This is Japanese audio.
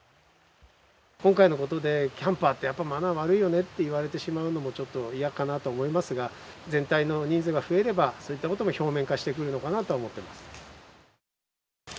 今回のことでキャンパーってやっぱマナー悪いよねっていわれてしまうのもちょっと嫌かなと思いますが、全体の人数が増えれば、そういったことも表面化してくるのかなと思っています。